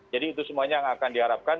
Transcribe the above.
jadi itu semuanya yang akan diharapkan